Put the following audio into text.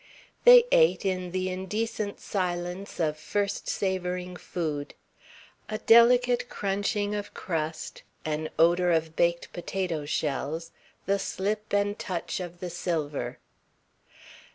They ate, in the indecent silence of first savouring food. A delicate crunching of crust, an odour of baked potato shells, the slip and touch of the silver.